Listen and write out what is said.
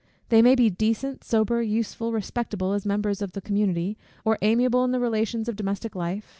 They may be decent, sober, useful, respectable, as members of the community, or amiable in the relations of domestic life.